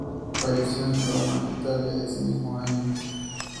Falleció en Roma, Italia, ese mismo año.